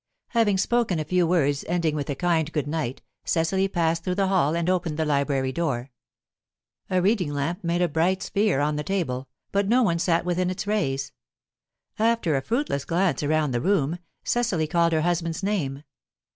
Having spoken a few words, ending with a kind good night, Cecily passed through the hall and opened the library door. A reading lamp made a bright sphere on the table, but no one sat within its rays. After a fruitless glance round the room, Cecily called her husband's name.